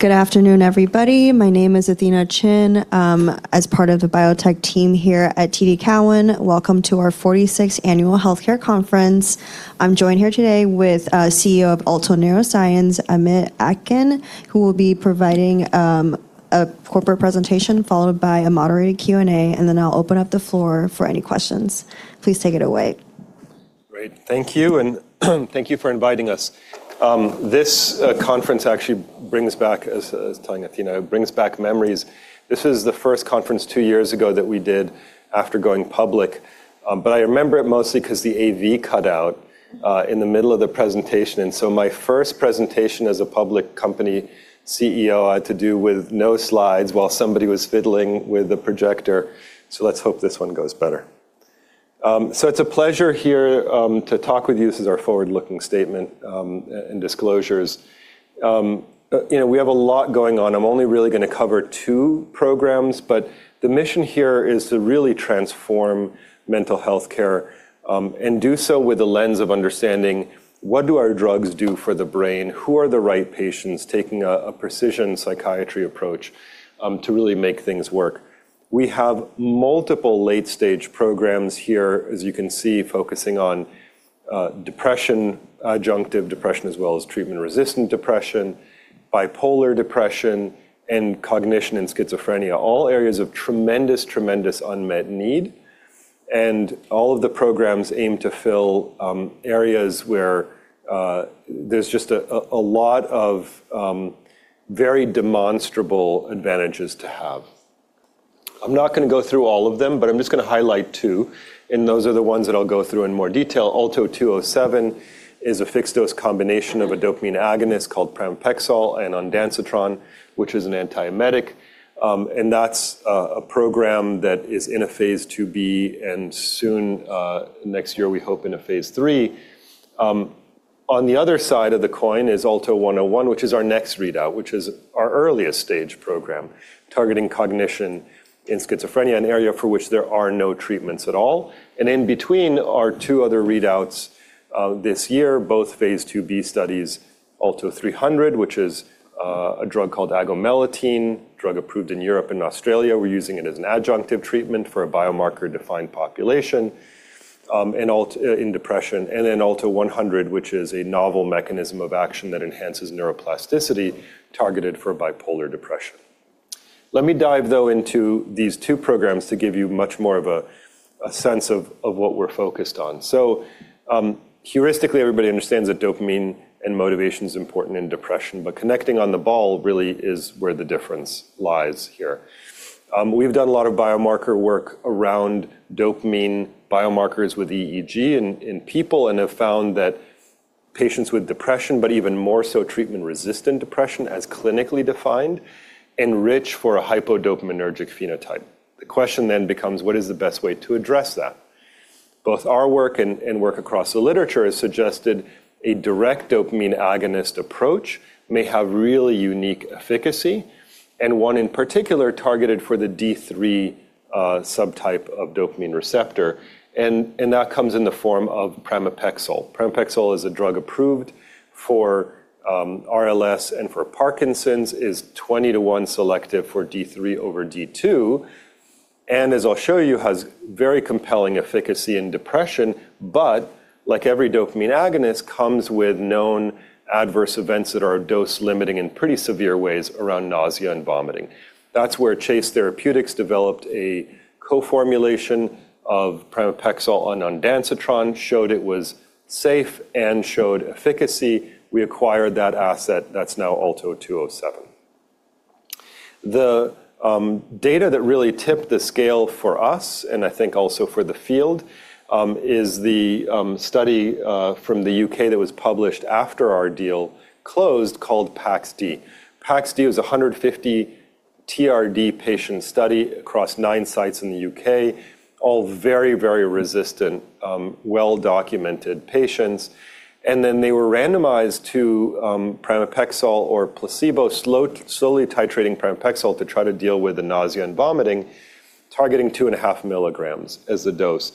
Good afternoon, everybody. My name is Athena Chin. As part of the biotech team here at TD Cowen. Welcome to our 46th annual healthcare conference. I'm joined here today with CEO of Alto Neuroscience, Amit Etkin, who will be providing a corporate presentation followed by a moderated Q&A, and then I'll open up the floor for any questions. Please take it away. Great. Thank you, and thank you for inviting us. This conference actually brings back as telling Athena, it brings back memories. This was the first conference two years ago that we did after going public. I remember it mostly 'cause the AV cut out in the middle of the presentation. My first presentation as a public company CEO, I had to do with no slides while somebody was fiddling with the projector. Let's hope this one goes better. It's a pleasure here to talk with you. This is our forward-looking statement and disclosures. You know, we have a lot going on. I'm only really gonna cover two programs, but the mission here is to really transform mental health care, and do so with the lens of understanding what do our drugs do for the brain, who are the right patients, taking a precision psychiatry approach, to really make things work. We have multiple late-stage programs here, as you can see, focusing on depression, adjunctive depression, as well as treatment-resistant depression, bipolar depression, and cognition in schizophrenia, all areas of tremendous unmet need. All of the programs aim to fill areas where there's just a lot of very demonstrable advantages to have. I'm not gonna go through all of them, but I'm just gonna highlight two, and those are the ones that I'll go through in more detail. ALTO-207 is a fixed-dose combination of a dopamine agonist called pramipexole and ondansetron, which is an antiemetic. That's a program that is in a phase II-B and soon, next year, we hope in a phase III. On the other side of the coin is ALTO-101, which is our next readout, which is our earliest stage program targeting cognition in schizophrenia, an area for which there are no treatments at all. In between are two other readouts, this year, both phase II-B studies, ALTO-300, which is a drug called agomelatine, drug approved in Europe and Australia. We're using it as an adjunctive treatment for a biomarker-defined population, in depression. ALTO-100, which is a novel mechanism of action that enhances neuroplasticity targeted for bipolar depression. Let me dive, though, into these two programs to give you much more of a sense of what we're focused on. Heuristically, everybody understands that dopamine and motivation is important in depression, but connecting on the ball really is where the difference lies here. We've done a lot of biomarker work around dopamine biomarkers with EEG in people and have found that patients with depression, but even more so treatment-resistant depression as clinically defined, enrich for a hypodopaminergic phenotype. The question then becomes: What is the best way to address that? Both our work and work across the literature has suggested a direct dopamine agonist approach may have really unique efficacy, and one, in particular, targeted for the D3 subtype of dopamine receptor. That comes in the form of pramipexole. Pramipexole is a drug approved for RLS and for Parkinson's, is 20 to one selective for D3 over D2, and as I'll show you, has very compelling efficacy in depression, but like every dopamine agonist, comes with known adverse events that are dose-limiting in pretty severe ways around nausea and vomiting. That's where Chase Therapeutics developed a co-formulation of pramipexole and ondansetron, showed it was safe and showed efficacy. We acquired that asset. That's now ALTO-207. The data that really tipped the scale for us, and I think also for the field, is the study from the U.K. that was published after our deal closed called PAXD. PAXD was a 150 TRD patient study across nine sites in the U.K., all very, very resistant, well-documented patients. They were randomized to pramipexole or placebo, slowly titrating pramipexole to try to deal with the nausea and vomiting, targeting 2.5 milligrams as the dose,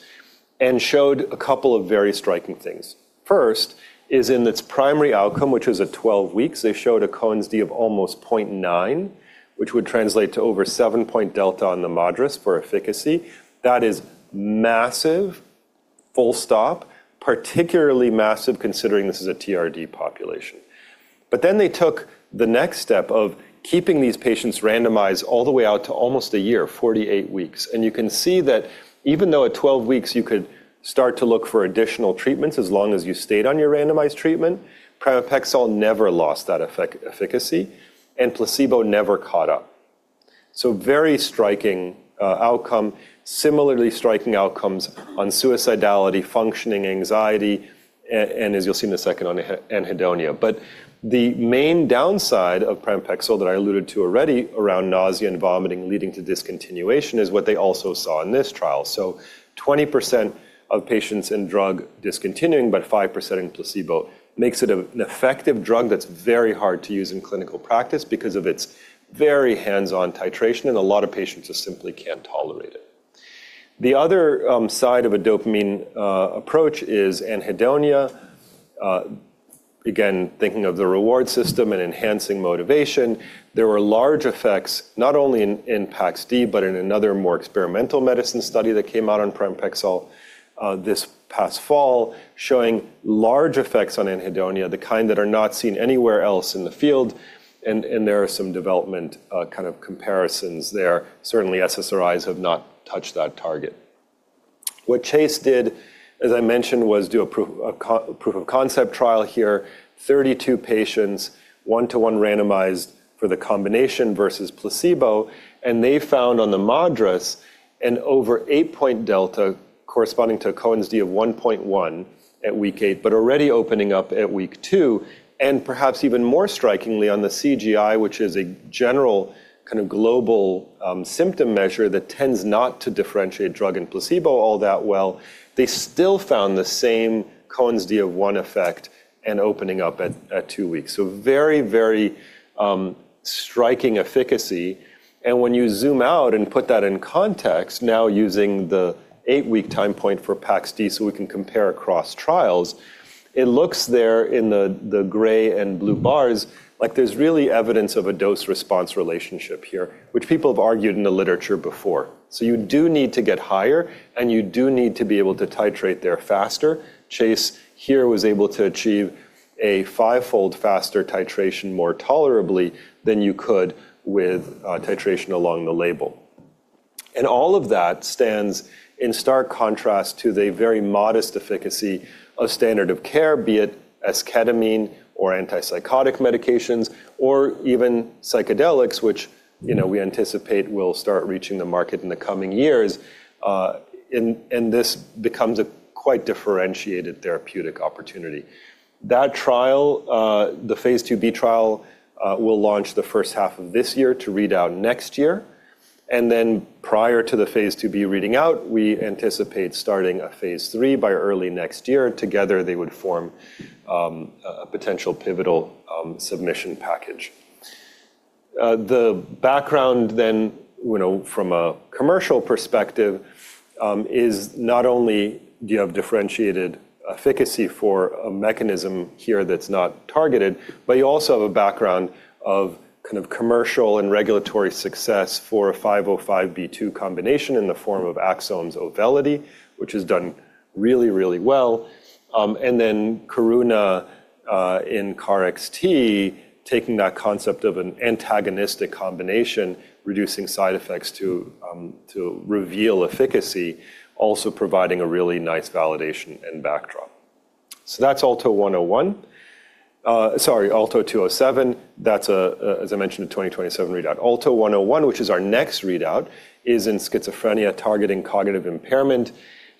showed a couple of very striking things. First is in its primary outcome, which was at 12 weeks, they showed a Cohen's d of almost 0.9, which would translate to over 7-point delta on the MADRS for efficacy. That is massive, full stop, particularly massive considering this is a TRD population. They took the next step of keeping these patients randomized all the way out to almost a year, 48 weeks. You can see that even though at 12 weeks you could start to look for additional treatments as long as you stayed on your randomized treatment, pramipexole never lost that efficacy, placebo never caught up. Very striking outcome. Similarly striking outcomes on suicidality, functioning, anxiety, and as you'll see in a second, on anhedonia. The main downside of pramipexole that I alluded to already around nausea and vomiting leading to discontinuation is what they also saw in this trial. 20% of patients in drug discontinuing, but 5% in placebo makes it an effective drug that's very hard to use in clinical practice because of its very hands-on titration, and a lot of patients just simply can't tolerate it. The other side of a dopamine approach is anhedonia. Again, thinking of the reward system and enhancing motivation. There were large effects, not only in PAXD, but in another more experimental medicine study that came out on pramipexole, this past fall, showing large effects on anhedonia, the kind that are not seen anywhere else in the field and there are some development kind of comparisons there. Certainly, SSRIs have not touched that target. What Chase did, as I mentioned, was do a proof of concept trial here. 32 patients, one-to-one randomized for the combination versus placebo, and they found on the MADRS an over eight-point delta corresponding to a Cohen's d of 1.1 at week eight. Already opening up at week two. Perhaps even more strikingly on the CGI, which is a general kind of global symptom measure that tends not to differentiate drug and placebo all that well, they still found the same Cohen's d of one effect and opening up at two weeks. Very striking efficacy. When you zoom out and put that in context, now using the eight-week time point for PAXD so we can compare across trials, it looks there in the gray and blue bars like there's really evidence of a dose-response relationship here, which people have argued in the literature before. You do need to get higher, and you do need to be able to titrate there faster. Chase here was able to achieve a five-fold faster titration more tolerably than you could with titration along the label. All of that stands in stark contrast to the very modest efficacy of standard of care, be it esketamine or antipsychotic medications or even psychedelics, which, you know, we anticipate will start reaching the market in the coming years. This becomes a quite differentiated therapeutic opportunity. That trial, the phase II-B trial, will launch the first half of this year to read out next year. Prior to the phase II-B reading out, we anticipate starting a phase III by early next year. Together, they would form a potential pivotal submission package. The background then, you know, from a commercial perspective, is not only do you have differentiated efficacy for a mechanism here that's not targeted, but you also have a background of kind of commercial and regulatory success for a 505(b)(2) combination in the form of Axsome's AUVELITY, which has done really, really well. Karuna, in KarXT taking that concept of an antagonistic combination, reducing side effects to reveal efficacy, also providing a really nice validation and backdrop. That's ALTO-101. Sorry, ALTO-207. That's, as I mentioned, a 2027 readout. ALTO-101, which is our next readout, is in schizophrenia targeting cognitive impairment.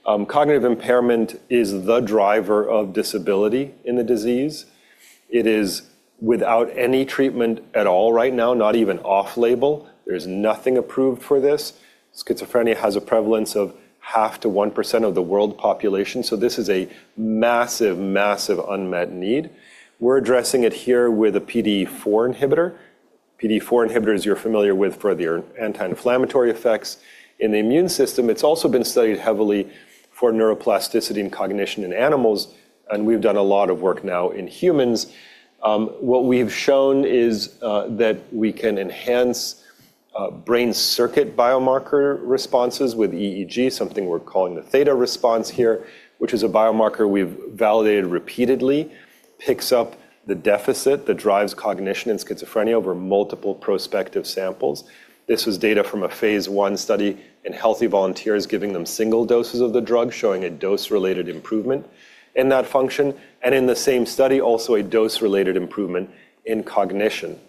Cognitive impairment is the driver of disability in the disease. It is without any treatment at all right now, not even off-label. There's nothing approved for this. Schizophrenia has a prevalence of 0.5%-1% of the world population. This is a massive unmet need. We're addressing it here with a PDE4 inhibitor. PDE4 inhibitors you're familiar with for their anti-inflammatory effects in the immune system. It's also been studied heavily for neuroplasticity and cognition in animals, and we've done a lot of work now in humans. What we've shown is that we can enhance brain circuit biomarker responses with EEG, something we're calling the theta response here, which is a biomarker we've validated repeatedly. Picks up the deficit that drives cognition in schizophrenia over multiple prospective samples. This was data from a phase I study in healthy volunteers giving them single doses of the drug, showing a dose-related improvement in that function, and in the same study, also a dose-related improvement in cognition.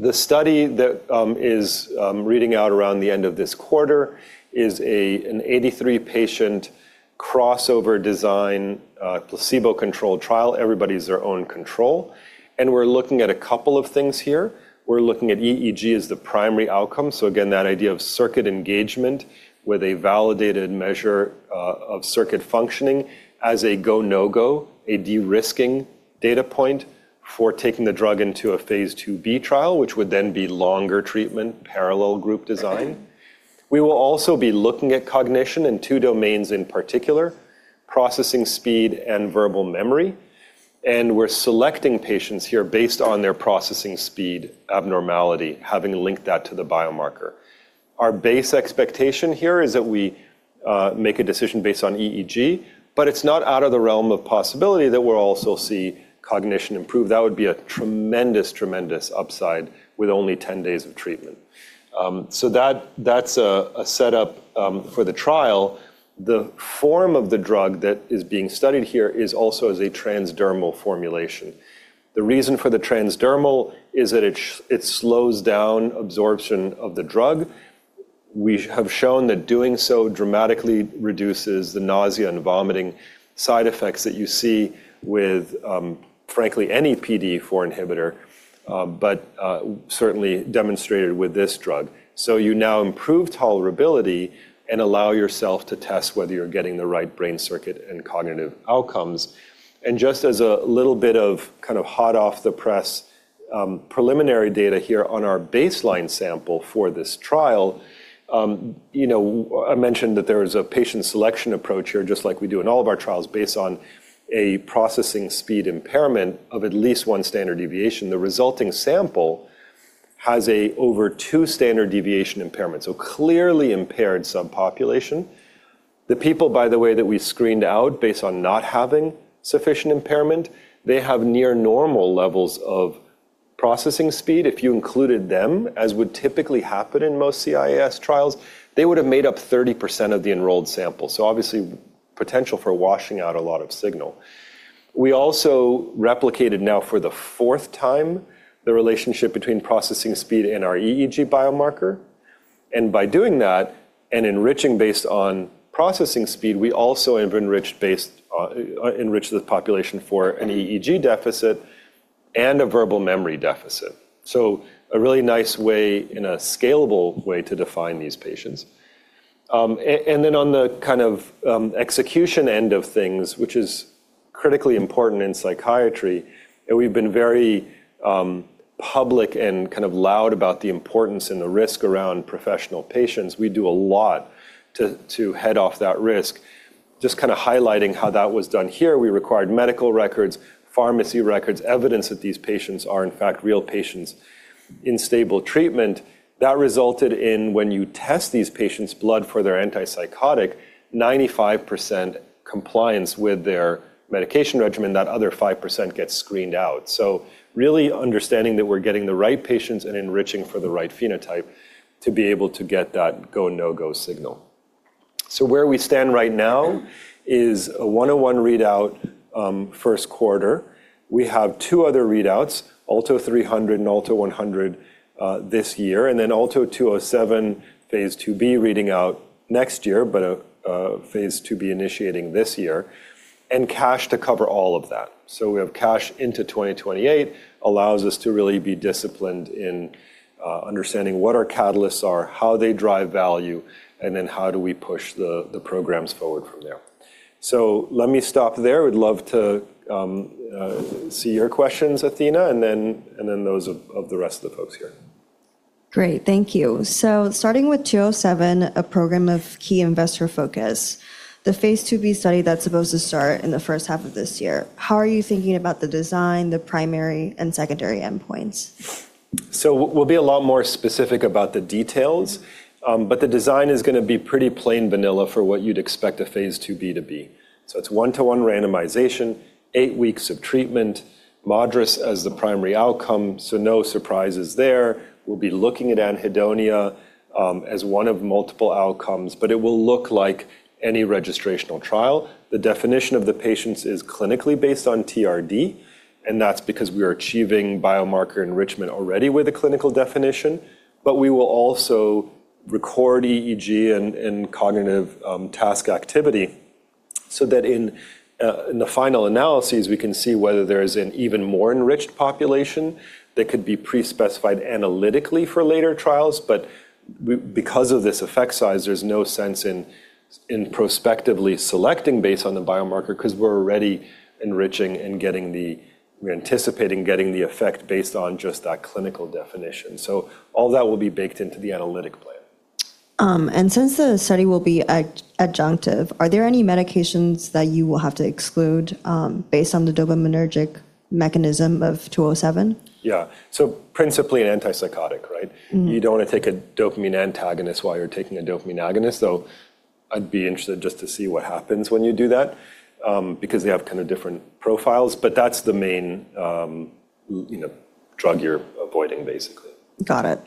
The study that is reading out around the end of this quarter is an 83-patient crossover design, placebo-controlled trial. Everybody's their own control. We're looking at a couple of things here. We're looking at EEG as the primary outcome. Again, that idea of circuit engagement with a validated measure of circuit functioning as a go/no-go, a de-risking data point for taking the drug into a phase II-B trial, which would then be longer treatment, parallel group design. We will also be looking at cognition in two domains in particular, processing speed and verbal memory, and we're selecting patients here based on their processing speed abnormality, having linked that to the biomarker. Our base expectation here is that we make a decision based on EEG. It's not out of the realm of possibility that we'll also see cognition improve. That would be a tremendous upside with only 10 days of treatment. That's a setup for the trial. The form of the drug that is being studied here is also as a transdermal formulation. The reason for the transdermal is that it slows down absorption of the drug. We have shown that doing so dramatically reduces the nausea and vomiting side effects that you see with frankly, any PDE4 inhibitor, but certainly demonstrated with this drug. You now improve tolerability and allow yourself to test whether you're getting the right brain circuit and cognitive outcomes. Just as a little bit of kind of hot off the press, preliminary data here on our baseline sample for this trial, you know, I mentioned that there is a patient selection approach here, just like we do in all of our trials based on a processing speed impairment of at least one standard deviation. The resulting sample has a over two standard deviation impairment, so clearly impaired subpopulation. The people, by the way, that we screened out based on not having sufficient impairment, they have near normal levels of processing speed. If you included them, as would typically happen in most CIAS trials, they would have made up 30% of the enrolled sample. Obviously potential for washing out a lot of signal. We also replicated now for the fourth time the relationship between processing speed and our EEG biomarker. By doing that and enriching based on processing speed, we also have enriched based, enriched the population for an EEG deficit and a verbal memory deficit. A really nice way and a scalable way to define these patients. Then on the kind of, execution end of things, which is critically important in psychiatry, and we've been very, public and kind of loud about the importance and the risk around professional patients. We do a lot to head off that risk. Just kinda highlighting how that was done here, we required medical records, pharmacy records, evidence that these patients are in fact real patients in stable treatment. That resulted in when you test these patients' blood for their antipsychotic, 95% compliance with their medication regimen. That other 5% gets screened out. Really understanding that we're getting the right patients and enriching for the right phenotype to be able to get that go, no-go signal. Where we stand right now is a 101 readout, first quarter. We have two other readouts, ALTO-300 and ALTO-100, this year, and then ALTO-207, phase II-B reading out next year, but a phase II-B initiating this year, and cash to cover all of that. We have cash into 2028 allows us to really be disciplined in, understanding what our catalysts are, how they drive value, and then how do we push the programs forward from there. Let me stop there. I would love to see your questions, Athena, and then those of the rest of the folks here. Great. Thank you. Starting with ALTO-207, a program of key investor focus. The phase II-B study that's supposed to start in the first half of this year, how are you thinking about the design, the primary and secondary endpoints? We'll be a lot more specific about the details, but the design is gonna be pretty plain vanilla for what you'd expect a phase II-B to be. It's one-to-one randomization, eight weeks of treatment, MADRS as the primary outcome. No surprises there. We'll be looking at anhedonia as one of multiple outcomes, but it will look like any registrational trial. The definition of the patients is clinically based on TRD, and that's because we are achieving biomarker enrichment already with a clinical definition. We will also record EEG and cognitive task activity so that in the final analyses, we can see whether there's an even more enriched population that could be pre-specified analytically for later trials. Because of this effect size, there's no sense in prospectively selecting based on the biomarker 'cause we're already enriching and we're anticipating getting the effect based on just that clinical definition. All that will be baked into the analytic plan. Since the study will be adjunctive, are there any medications that you will have to exclude based on the dopaminergic mechanism of 207? Yeah. Principally an antipsychotic, right? Mm-hmm. You don't wanna take a dopamine antagonist while you're taking a dopamine agonist. I'd be interested just to see what happens when you do that, because they have kinda different profiles. That's the main, you know, drug you're avoiding, basically. Got it.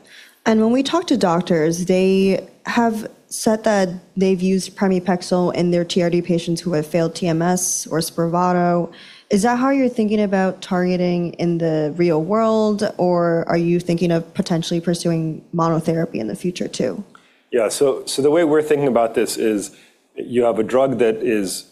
When we talk to doctors, they have said that they've used pramipexole in their TRD patients who have failed TMS or SPRAVATO. Is that how you're thinking about targeting in the real world, or are you thinking of potentially pursuing monotherapy in the future too? Yeah. The way we're thinking about this is you have a drug that is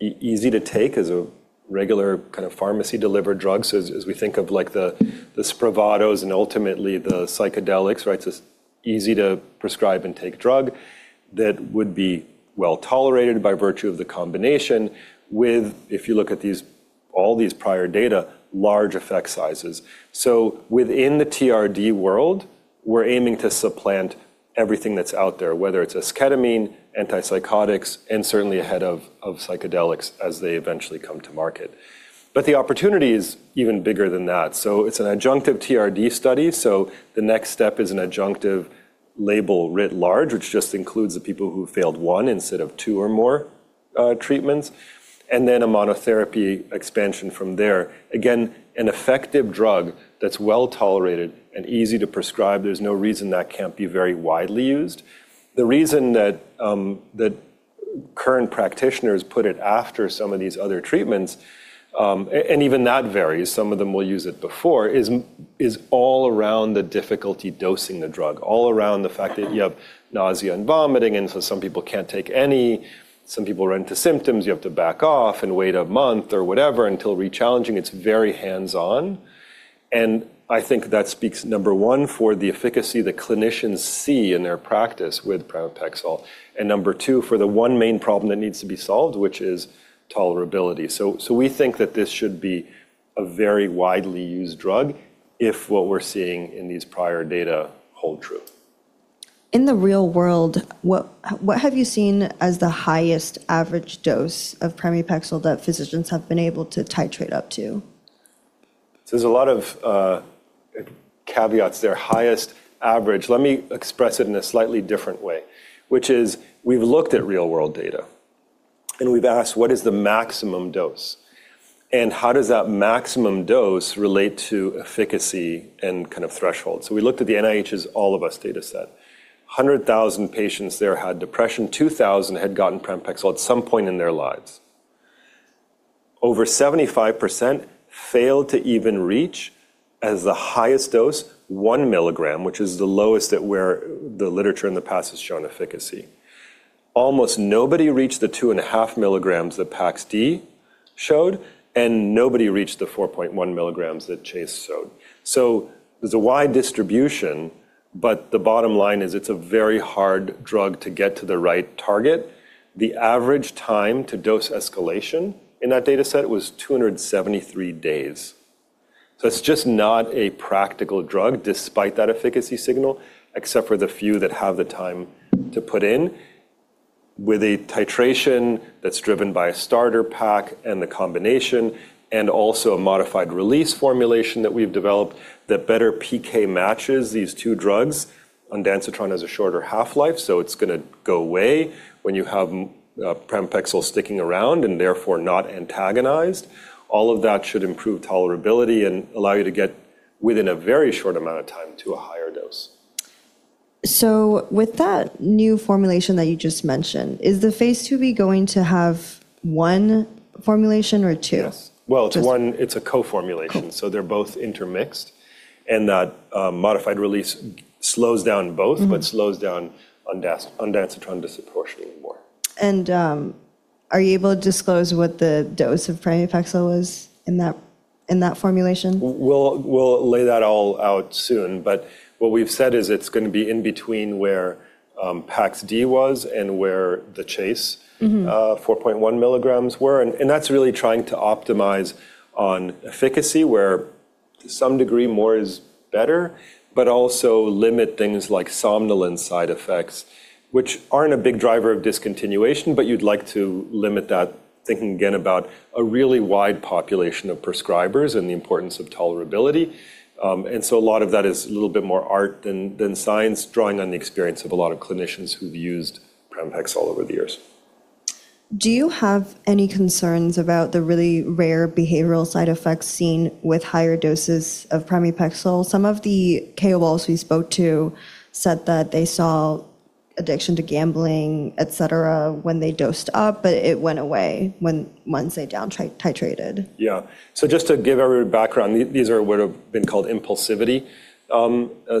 easy to take as a regular kind of pharmacy-delivered drug. As we think of like the SPRAVATOs and ultimately the psychedelics, right? It's a easy to prescribe and take drug that would be well-tolerated by virtue of the combination with, if you look at all these prior data, large effect sizes. Within the TRD world, we're aiming to supplant everything that's out there, whether it's esketamine, antipsychotics, and certainly ahead of psychedelics as they eventually come to market. The opportunity is even bigger than that. It's an adjunctive TRD study. The next step is an adjunctive label writ large, which just includes the people who failed one instead of two or more treatments, and then a monotherapy expansion from there. An effective drug that's well-tolerated and easy to prescribe, there's no reason that can't be very widely used. The reason that current practitioners put it after some of these other treatments, even that varies, some of them will use it before, is all around the difficulty dosing the drug, all around the fact that you have nausea and vomiting. Some people can't take any. Some people run into symptoms. You have to back off and wait a month or whatever until re-challenging. It's very hands-on. I think that speaks, number one, for the efficacy that clinicians see in their practice with pramipexole. Number two, for the one main problem that needs to be solved, which is tolerability. So we think that this should be a very widely used drug if what we're seeing in these prior data hold true. In the real world, what have you seen as the highest average dose of pramipexole that physicians have been able to titrate up to? There's a lot of caveats there. Highest average. Let me express it in a slightly different way, which is we've looked at real world data. We've asked what is the maximum dose, and how does that maximum dose relate to efficacy and kind of threshold? We looked at the NIH's All of Us dataset. 100,000 patients there had depression. 2,000 had gotten pramipexole at some point in their lives. Over 75% failed to even reach as the highest dose, 1 milligram, which is the lowest at where the literature in the past has shown efficacy. Almost nobody reached the 2.5 milligrams that PAXD showed. Nobody reached the 4.1 milligrams that CHASE showed. There's a wide distribution, but the bottom line is it's a very hard drug to get to the right target. The average time to dose escalation in that dataset was 273 days. It's just not a practical drug despite that efficacy signal, except for the few that have the time to put in. With a titration that's driven by a starter pack and the combination and also a modified release formulation that we've developed that better PK matches these two drugs. Ondansetron has a shorter half-life, it's gonna go away when you have pramipexole sticking around and therefore not antagonized. All of that should improve tolerability and allow you to get within a very short amount of time to a higher dose. With that new formulation that you just mentioned, is the phase II-B going to have one formulation or two? Yes. Well, it's a co-formulation. Cool. They're both intermixed, and that modified release slows down both-. Mm-hmm. slows down ondansetron disproportionately more. Are you able to disclose what the dose of pramipexole was in that, in that formulation? We'll lay that all out soon. What we've said is it's gonna be in between where PAXD was and where the. Mm-hmm. 4.1 milligrams were. That's really trying to optimize on efficacy, where to some degree more is better, but also limit things like somnolent side effects, which aren't a big driver of discontinuation, but you'd like to limit that, thinking again about a really wide population of prescribers and the importance of tolerability. A lot of that is a little bit more art than science, drawing on the experience of a lot of clinicians who've used pramipexole over the years. Do you have any concerns about the really rare behavioral side effects seen with higher doses of pramipexole? Some of the KOLs we spoke to said that they saw addiction to gambling, et cetera, when they dosed up, but it went away once they down titrated. Yeah. Just to give everyone background, these are what have been called impulsivity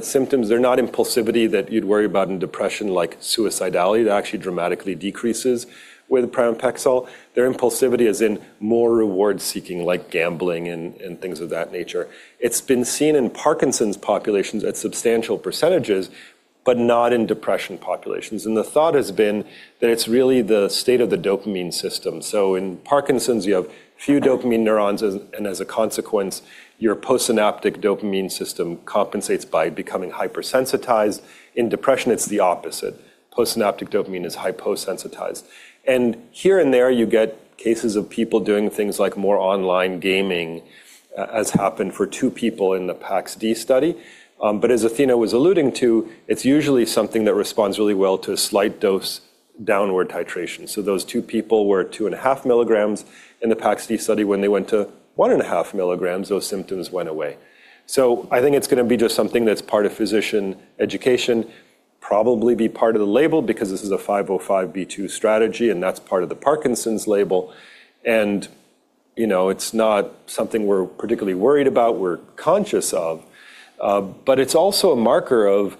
symptoms. They're not impulsivity that you'd worry about in depression like suicidality. That actually dramatically decreases with pramipexole. Their impulsivity is in more reward-seeking, like gambling and things of that nature. It's been seen in Parkinson's populations at substantial percentages, but not in depression populations. The thought has been that it's really the state of the dopamine system. In Parkinson's, you have few dopamine neurons and as a consequence, your postsynaptic dopamine system compensates by becoming hypersensitized. In depression, it's the opposite. Postsynaptic dopamine is hyposensitized. Here and there you get cases of people doing things like more online gaming, as happened for two people in the PAXD study. As Athena was alluding to, it's usually something that responds really well to a slight dose downward titration. Those two people were at two and a half milligrams in the PAXD study. When they went to one and a half milligrams, those symptoms went away. I think it's going to be just something that's part of physician education, probably be part of the label because this is a 505(b)(2) strategy, and that's part of the Parkinson's label. You know, it's not something we're particularly worried about, we're conscious of. It's also a marker of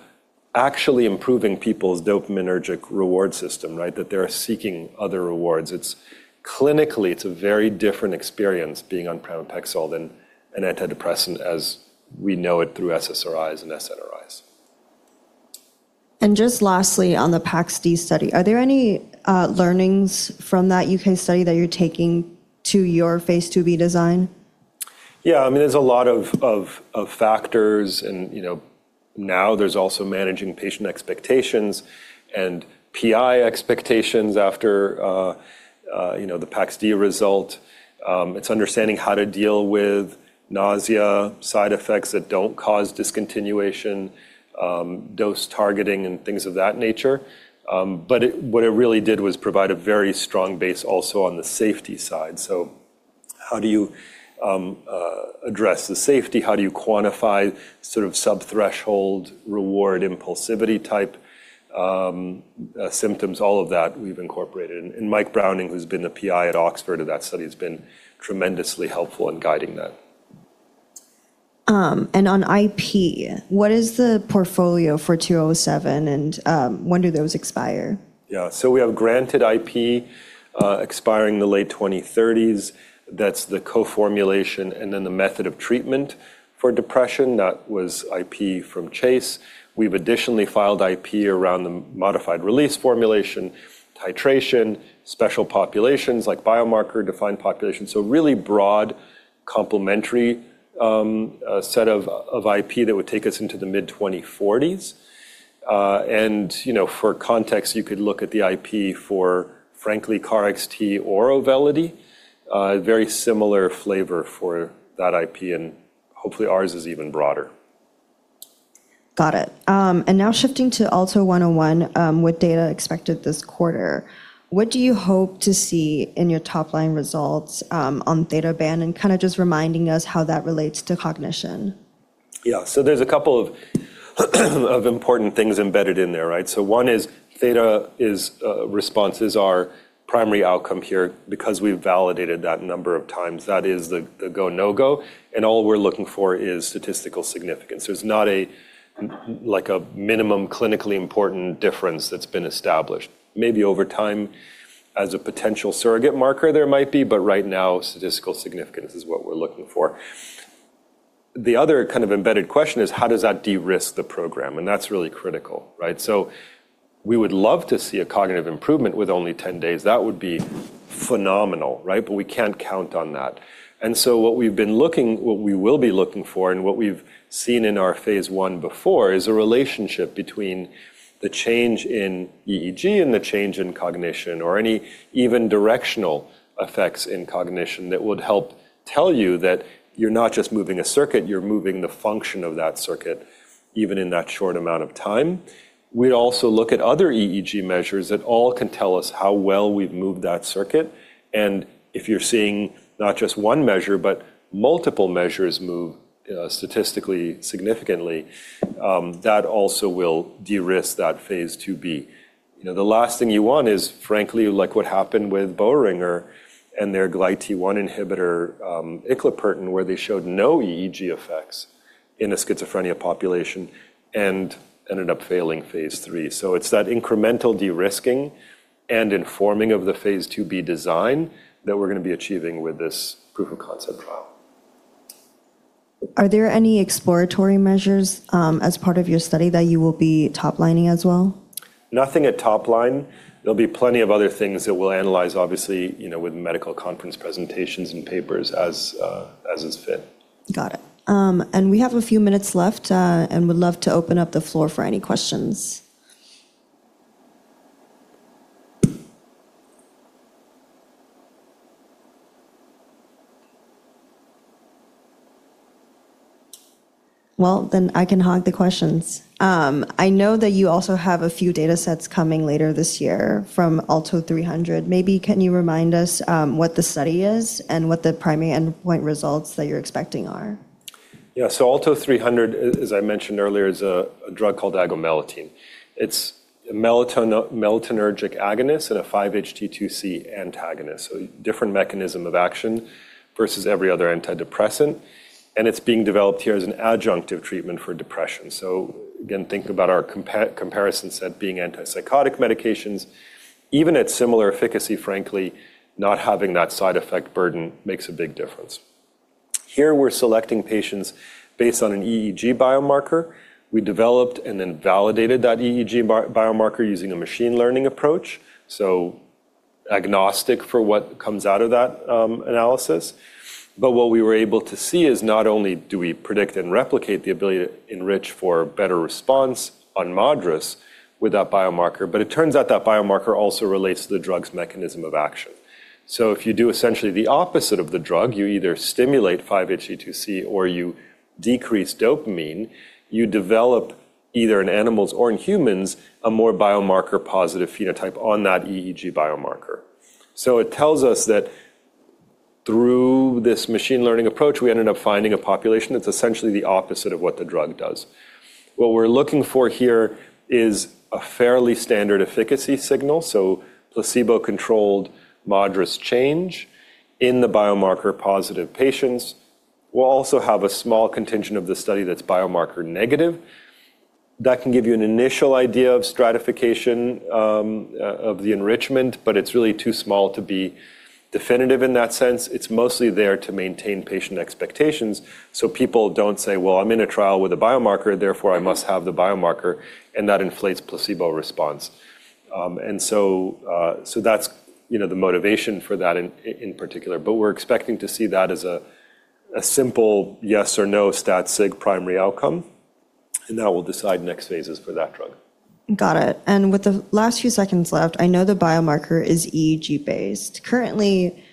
actually improving people's dopaminergic reward system, right? That they're seeking other rewards. Clinically, it's a very different experience being on pramipexole than an antidepressant as we know it through SSRIs and SNRIs. Just lastly, on the PAXD study, are there any learnings from that U.K. study that you're taking to your phase II-B design? Yeah. I mean, there's a lot of factors and, you know, now there's also managing patient expectations and PI expectations after, you know, the PAXD result. It's understanding how to deal with nausea, side effects that don't cause discontinuation, dose targeting, and things of that nature. What it really did was provide a very strong base also on the safety side. How do you address the safety? How do you quantify sort of sub-threshold reward impulsivity type symptoms? All of that we've incorporated. Michael Browning, who's been the PI at Oxford of that study, has been tremendously helpful in guiding that. On IP, what is the portfolio for 207 and when do those expire? We have granted IP, expiring the late 2030s. That's the co-formulation and then the method of treatment for depression. That was IP from Chase. We've additionally filed IP around the modified release formulation, titration, special populations like biomarker-defined populations. Really broadComplementary, a set of IP that would take us into the mid-2040s. You know, for context, you could look at the IP for frankly KarXT or AUVELITY. Very similar flavor for that IP, and hopefully ours is even broader. Got it. Now shifting to ALTO-101, with data expected this quarter. What do you hope to see in your top line results, on theta band? Kinda just reminding us how that relates to cognition? There's a couple of important things embedded in there, right? One is theta response is our primary outcome here because we've validated that number of times. That is the go/no-go, and all we're looking for is statistical significance. There's not a, like, a minimum clinically important difference that's been established. Maybe over time as a potential surrogate marker there might be, but right now statistical significance is what we're looking for. The other kind of embedded question is: how does that de-risk the program? That's really critical, right? We would love to see a cognitive improvement with only 10 days. That would be phenomenal, right? We can't count on that. What we will be looking for, and what we've seen in our phase I before, is a relationship between the change in EEG and the change in cognition or any even directional effects in cognition that would help tell you that you're not just moving a circuit, you're moving the function of that circuit even in that short amount of time. We also look at other EEG measures that all can tell us how well we've moved that circuit. If you're seeing not just one measure but multiple measures move, statistically significantly, that also will de-risk that phase II-B. You know, the last thing you want is, frankly, like what happened with Boehringer and their GlyT1 inhibitor, iclepertin, where they showed no EEG effects in a schizophrenia population and ended up failing phase III. It's that incremental de-risking and informing of the phase II-B design that we're going to be achieving with this proof of concept trial. Are there any exploratory measures as part of your study that you will be top lining as well? Nothing at top line. There'll be plenty of other things that we'll analyze, obviously, you know, with medical conference presentations and papers as as is fit. Got it. We have a few minutes left, and would love to open up the floor for any questions. Well, then I can hog the questions. I know that you also have a few datasets coming later this year from ALTO-300. Maybe can you remind us what the study is and what the primary endpoint results that you're expecting are? Yeah. ALTO-300, as I mentioned earlier, is a drug called agomelatine. It's a melatonergic agonist and a 5-HT2C antagonist. Different mechanism of action versus every other antidepressant, and it's being developed here as an adjunctive treatment for depression. Again, think about our comparison set being antipsychotic medications. Even at similar efficacy, frankly, not having that side effect burden makes a big difference. Here we're selecting patients based on an EEG biomarker. We developed and then validated that EEG biomarker using a machine learning approach, so agnostic for what comes out of that analysis. What we were able to see is not only do we predict and replicate the ability to enrich for better response on MADRS with that biomarker, but it turns out that biomarker also relates to the drug's mechanism of action. If you do essentially the opposite of the drug, you either stimulate 5-HT2C or you decrease dopamine, you develop, either in animals or in humans, a more biomarker positive phenotype on that EEG biomarker. What we're looking for here is a fairly standard efficacy signal, so placebo-controlled MADRS change in the biomarker positive patients. We'll also have a small contingent of the study that's biomarker negative. That can give you an initial idea of stratification of the enrichment, but it's really too small to be definitive in that sense. It's mostly there to maintain patient expectations, so people don't say, "Well, I'm in a trial with a biomarker, therefore I must have the biomarker," and that inflates placebo response. That's, you know, the motivation for that in particular. We're expecting to see that as a simple yes or no stat sig primary outcome, and that will decide next phases for that drug. Got it. With the last few seconds left, I know the biomarker is EEG-based. Currently,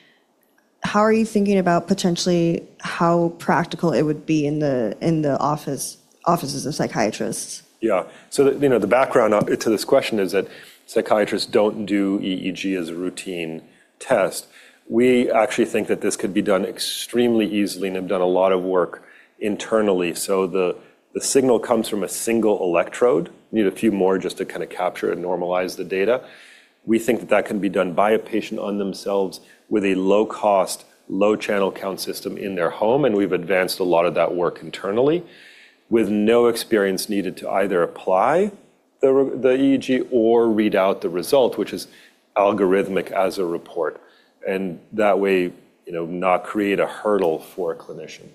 how are you thinking about potentially how practical it would be in the offices of psychiatrists? You know, the background up to this question is that psychiatrists don't do EEG as a routine test. We actually think that this could be done extremely easily, and we've done a lot of work internally. The, the signal comes from a single electrode. You need a few more just to kinda capture and normalize the data. We think that that can be done by a patient on themselves with a low cost, low channel count system in their home, and we've advanced a lot of that work internally with no experience needed to either apply the EEG or read out the result, which is algorithmic as a report, and that way, you know, not create a hurdle for a clinician.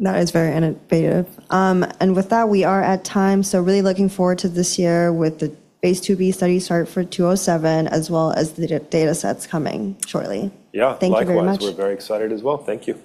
That is very innovative. With that, we are at time, really looking forward to this year with the phase II-B study start for ALTO-207 as well as the datasets coming shortly. Yeah. Thank you very much. Likewise. We're very excited as well. Thank you.